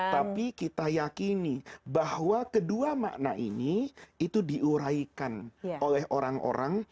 tapi kita yakini bahwa kedua makna ini itu diuraikan oleh orang orang